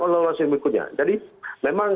lonsoran berikutnya jadi memang